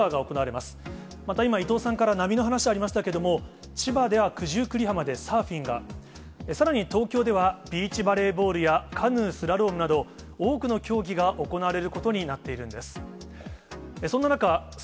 また今、伊藤さんから波の話ありましたけれども、千葉では九十九里浜でサーフィンが、さらに東京では、ビーチバレーボールやカヌースラロームなど、多くの競技が行われることになっているんです。